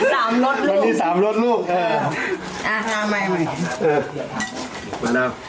สามรสลูกสามรสลูกอ่าอ่ามาใหม่มาใหม่เออมาแล้ว